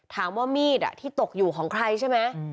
ถามว่ามีดที่ตกอยู่ของใครใช่ไหม